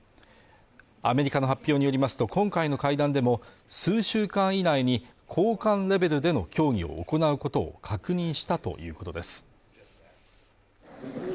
アメリカの発表によりますと今回の会談でも数週間以内に高官レベルでの協議を行うことを確認したということです